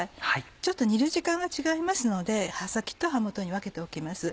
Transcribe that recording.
ちょっと煮る時間が違いますので葉先と葉元に分けておきます。